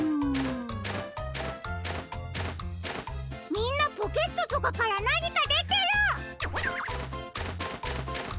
みんなポケットとかからなにかでてる！